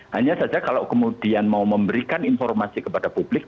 hanya saja kalau kemudian mau memberikan informasi kepada publik